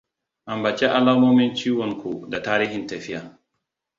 Ambaci alamomin ciwon ku da tarihin tafiya.